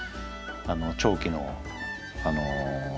長期の。